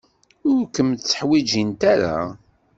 Ur kem-tteḥwijint ara.